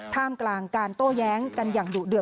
ท่ามกลางการโต้แย้งกันอย่างดุเดือ